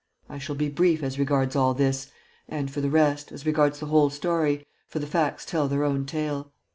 I shall be brief as regards all this and, for the rest, as regards the whole story, for the facts tell their own tale.